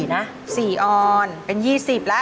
๔ออนเป็น๒๐แล้ว